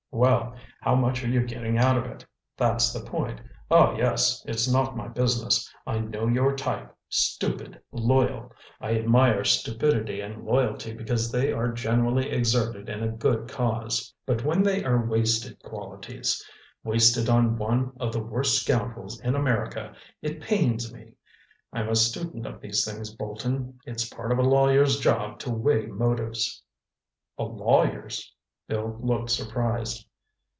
"Well, how much are you getting out of it? That's the point.... Oh, yes, it's not my business. I know your type—stupid—loyal. I admire stupidity and loyalty because they are generally exerted in a good cause. But when they are wasted qualities—wasted on one of the worst scoundrels in America, it pains me. I'm a student of these things, Bolton—it's part of a lawyer's job to weigh motives." "A lawyer's?" Bill looked surprised.